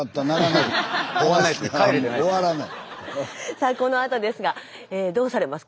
さあこのあとですがどうされますか？